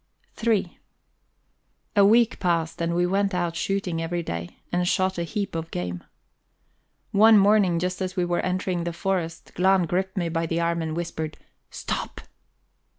III A week passed, and we went out shooting every day, and shot a heap of game. One morning, just as we were entering the forest, Glahn gripped me by the arm and whispered: "Stop!"